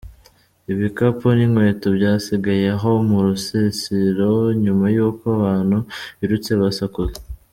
Ibikapo n'inkweto byasigaye aho mu rusisiro nyuma y'uko abantu birutse basakuza.